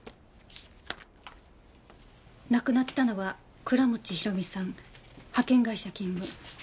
亡くなったのは倉持広美さん派遣会社勤務。